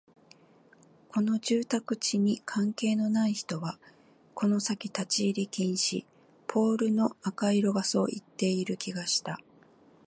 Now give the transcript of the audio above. この住宅地に関係のない人はこの先立ち入り禁止、ポールの赤色がそう言っている気がした